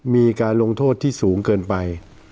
มีการลงโทษที่สูงเกินไป